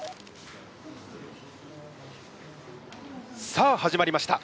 さあ始まりました